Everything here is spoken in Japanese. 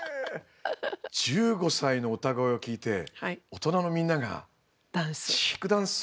１５歳の歌声を聴いて大人のみんながチークダンスを。